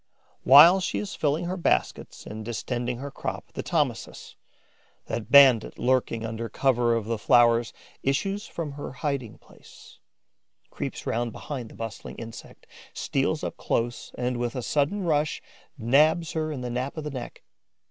While she is filling her baskets and distending her crop, the Thomisus, that bandit lurking under cover of the flowers, issues from her hiding place, creeps round behind the bustling insect, steals up close and, with a sudden rush, nabs her in the nape of the neck.